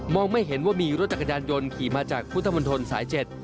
ไม่เห็นว่ามีรถจักรยานยนต์ขี่มาจากพุทธมนตรสาย๗